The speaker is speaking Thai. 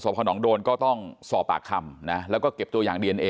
พอน้องโดนก็ต้องสอบปากคำนะแล้วก็เก็บตัวอย่างดีเอนเอ